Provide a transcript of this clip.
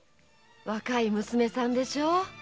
若い娘さんでしょ